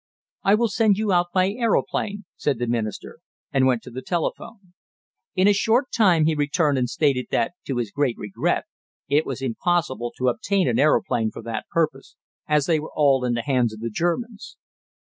"I will send you out by aeroplane," said the Minister, and went to the telephone. In a short time he returned and stated that, to his great regret, it was impossible to obtain an aeroplane for the purpose, as they were all in the hands of the Germans.